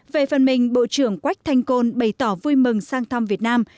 về phần mình bộ trưởng quách thanh côn bày tỏ vui mừng sang thăm việt nam